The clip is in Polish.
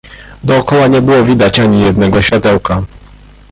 "Dokoła nie było widać ani jednego światełka."